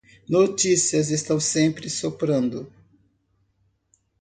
Notícias estão sempre soprando